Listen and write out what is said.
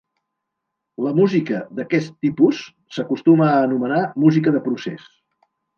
La música d'aquest tipus s'acostuma a anomenar música de procés.